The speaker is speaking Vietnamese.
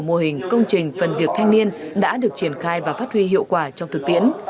mô hình công trình phần việc thanh niên đã được triển khai và phát huy hiệu quả trong thực tiễn